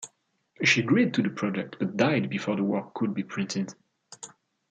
She agreed to the project but died before the work could be printed.